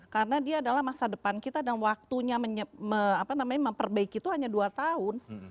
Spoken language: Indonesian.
karena dia adalah masa depan kita dan waktunya memperbaiki itu hanya dua tahun